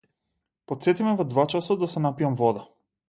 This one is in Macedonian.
Потсети ме во два часот да се напијам вода.